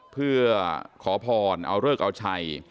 เพื่อขอพรเอาเลิกเอาชัย